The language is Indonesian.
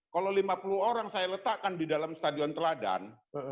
kalau lima puluh orang saya letakkan di dalam stadion teladan